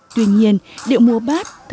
tuy nhiên điệu múa bát là một tổ hợp dân vũ